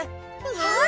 はい！